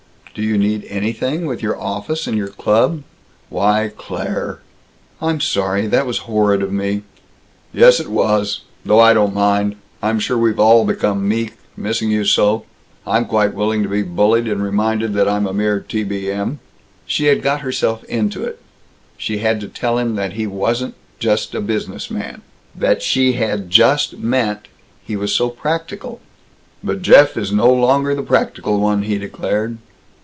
"Do you need anything, with your office and your club?" "Why, Claire!" "I'm sorry. That was horrid of me." "Yes, it was. Though I don't mind. I'm sure we've all become meek, missing you so. I'm quite willing to be bullied, and reminded that I'm a mere T.B.M." She had got herself into it; she had to tell him that he wasn't just a business man; that she had "just meant" he was so practical. "But Jeff is no longer the practical one," he declared.